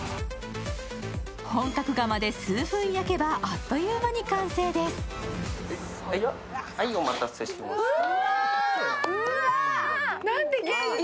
本格窯で数分焼けば、あっという間に完成です。なんて芸術的な。